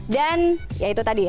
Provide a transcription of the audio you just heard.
dan ya itu tadi